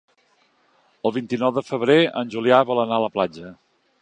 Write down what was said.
El vint-i-nou de febrer en Julià vol anar a la platja.